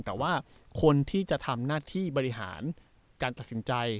แต่ว่าคนที่จะทำหน้าที่บริหารการตัดสินใจ